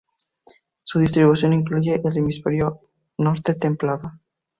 Su distribución incluye el hemisferio norte templado.